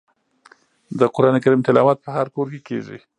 د قران کریم تلاوت په هر کور کې کیږي.